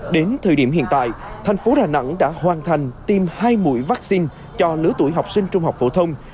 đến thời điểm hiện tại thành phố đà nẵng đã hoàn thành tiêm hai mũi vaccine cho lứa tuổi học sinh trung học phổ thông